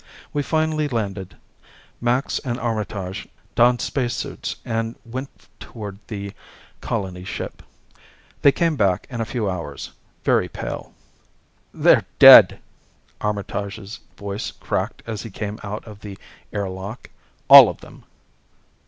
We finally landed. Max and Armitage donned spacesuits and went toward the colony ship. They came back in a few hours, very pale. "They're dead." Armitage's voice cracked as he came out of the airlock. "All of them."